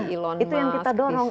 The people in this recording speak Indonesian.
elon musk itu yang kita dorong